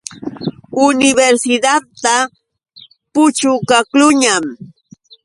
Universidadta puchukaqluuñam.